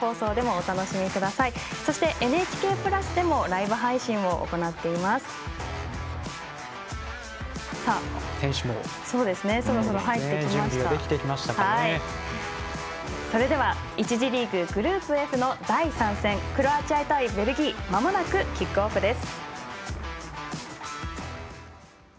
それでは１次リーググループＦの第３戦、クロアチア対ベルギーまもなくキックオフです。